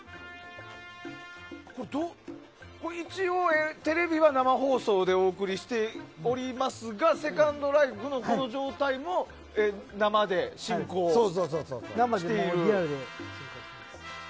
一応、テレビは生放送でお送りしていますがセカンドライフのこの状態も生で進行している。